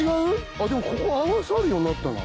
あっでもここ合わさるようになったな。